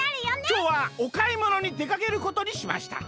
「きょうはおかいものにでかけることにしました。